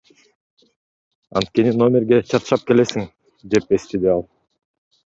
Анткени номерге чарчап келесиң, — деп эстеди ал.